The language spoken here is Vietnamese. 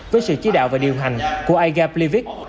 với sự chỉ đạo và điều hành của igaplivx